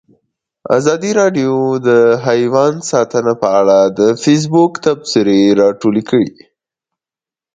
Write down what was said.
ازادي راډیو د حیوان ساتنه په اړه د فیسبوک تبصرې راټولې کړي.